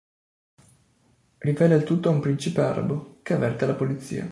Rivela il tutto a un principe arabo, che avverte la polizia.